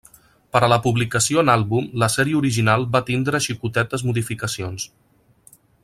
Per a la publicació en àlbum la sèrie original va tindre xicotetes modificacions.